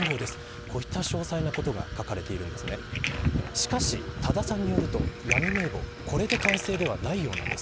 しかし、多田さんによると闇名簿はこれで完成ではないようです。